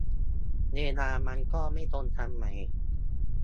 เวลามันก็ไม่ตรงกันไหม